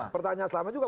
pertanyaan selama juga